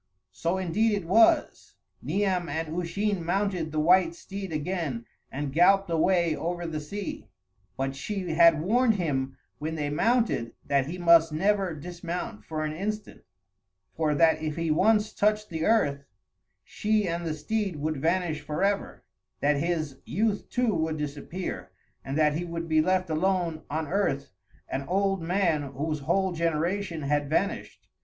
So indeed it was; Niam and Usheen mounted the white steed again and galloped away over the sea, but she had warned him when they mounted that he must never dismount for an instant, for that if he once touched the earth, she and the steed would vanish forever, that his youth too would disappear, and that he would be left alone on earth an old man whose whole generation had vanished.